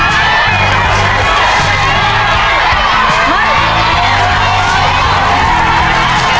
เป็นชะมะไหม